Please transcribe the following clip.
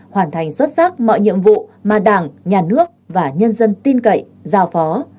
hoàn thành xuất sắc mọi nhiệm vụ mà đảng nhà nước và nhân dân tin cậy giao phó